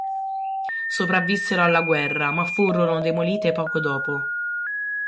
Sopravvissero alla guerra ma furono demolite poco dopo.